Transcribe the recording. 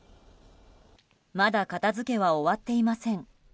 まだ片付けは終わっていません。